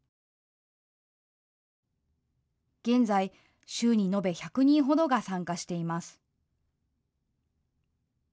現在、週に延べ１００人ほどが参加しています。